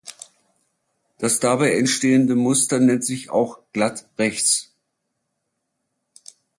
Das dabei entstehende Muster nennt sich auch „glatt rechts“.